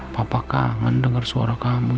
papa kangen dengar suara kamu